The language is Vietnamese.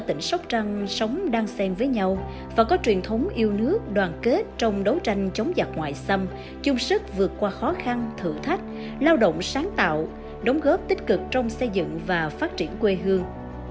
tỉnh sóc trăng sống đan sen với nhau và có truyền thống yêu nước đoàn kết trong đấu tranh chống giặc ngoại xâm chung sức vượt qua khó khăn thử thách lao động sáng tạo đóng góp tích cực trong xây dựng và phát triển quê hương